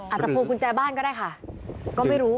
อาจจะพวงกุญแจบ้านก็ได้ค่ะก็ไม่รู้